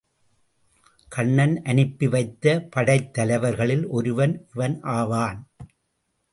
கண்ணன் அனுப்பி வைத்த படைத்தலைவர்களில் ஒருவன் இவன் ஆவான்.